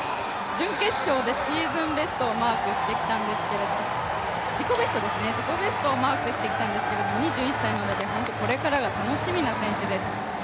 準決勝で自己ベストをマークしてきたんですけれども２１歳なので、これからが楽しみな選手です。